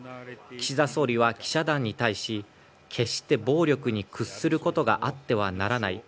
岸田総理は記者団に対し決して暴力に屈することがあってはならない。